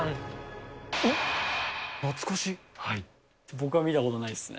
僕は見たことないですね。